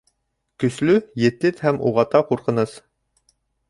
Көслө, етеҙ һәм дә уғата ҡурҡыныс...